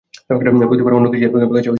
প্রতিবার অন্য ক্যাশিয়ারের কাছে পাঠানো হয়।